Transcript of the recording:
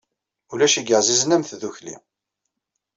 Ulac i yeɛzien am tdukli.